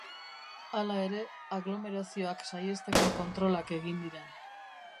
Hala ere, aglomerazioak saihesteko kontrolak egin dira.